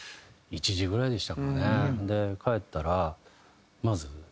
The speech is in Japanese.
で帰ったらまず。